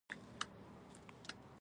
څنګه دوام ومومي او څنګه اصلاح کیږي؟